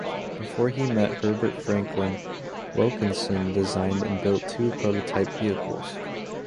Before he met Herbert Franklin, Wilkinson designed and built two prototype vehicles.